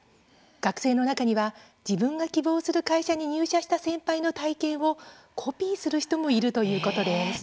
学生の中には自分が希望する会社に入社した先輩の体験をコピーする人もいるということでした。